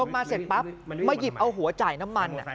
มาเสร็จปั๊บมาหยิบเอาหัวจ่ายน้ำมัน